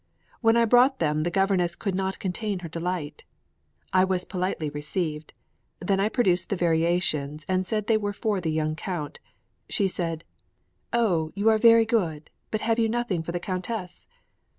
When I brought them the governess could not contain her delight. I was politely received; when I produced the variations and said they were for the young Count, she said, "O, you are very good; but have you nothing for the Countess?"